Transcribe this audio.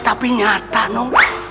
tapi nyata nom